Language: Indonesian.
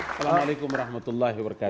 assalamualaikum warahmatullahi wabarakatuh